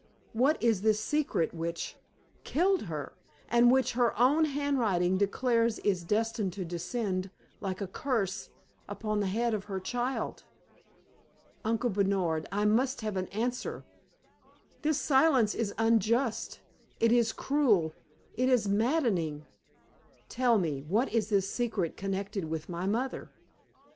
What is this secret which killed her, and which her own handwriting declares is destined to descend, like a curse, upon the head of her child? Uncle Bernard, I must have an answer! This silence is unjust; it is cruel; it is maddening! Tell me, what is this secret connected with my mother?